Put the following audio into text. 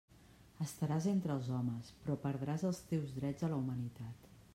Estaràs entre els homes, però perdràs els teus drets a la humanitat.